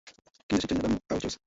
Kinyesi chenye damu au cheusi